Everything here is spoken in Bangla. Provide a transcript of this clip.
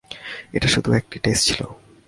ওটা শুধু একটা টেস্ট ছিল।